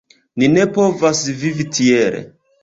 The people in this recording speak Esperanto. Ni ne povas vivi tiel.